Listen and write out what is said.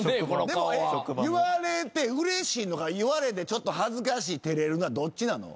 でも言われてうれしいのか言われてちょっと恥ずかしい照れるなどっちなの？